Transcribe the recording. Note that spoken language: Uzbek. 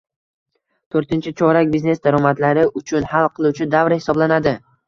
To'rtinchi chorak biznes daromadlari uchun hal qiluvchi davr hisoblanadi